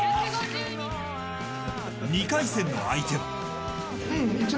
２回戦の相手は。